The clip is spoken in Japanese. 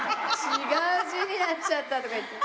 違う字になっちゃったとか言って。